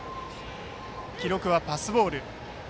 記録はパスボール。